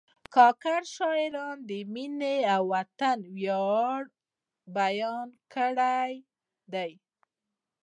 کاکړ شاعرانو د مینې او وطن ویاړ بیان کړی دی.